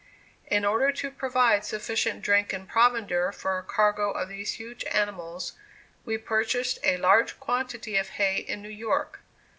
In order to provide sufficient drink and provender for a cargo of these huge animals, we purchased a large quantity of hay in New York.